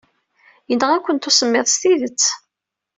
Yenɣa-kent usemmiḍ s tidet.